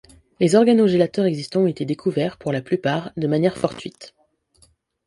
Les organogélateurs existants ont été découverts, pour la plupart, de manière fortuite.